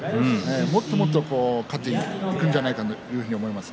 もっともっと勝っていくんじゃないかと思います。